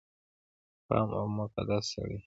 پاک او مقدس سړی